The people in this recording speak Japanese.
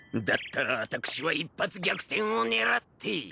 だったら私は一発逆転を狙って。